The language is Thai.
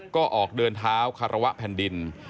ก็ออกเดินเท้าคารวะแผ่นดิน